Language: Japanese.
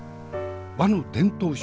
和の伝統食